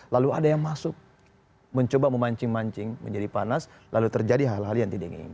lalu ada yang masuk mencoba memancing mancing menjadi panas lalu terjadi hal hal yang tidak ingin